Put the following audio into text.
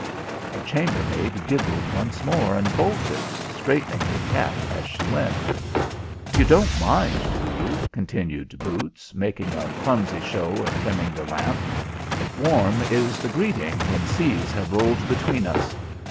The chambermaid giggled once more and bolted, straightening her cap as she went. "You don't mind, do you?" continued boots, making a clumsy show of trimming the lamp. "Warm is the greeting when seas have rolled between us.